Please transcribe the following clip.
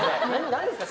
何ですか？